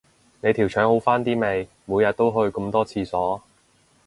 你條腸好返啲未，每日都去咁多廁所